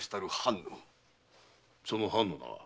その藩の名は？